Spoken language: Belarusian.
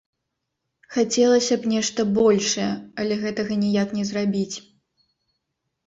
Хацелася б нешта большае, але гэтага ніяк не зрабіць.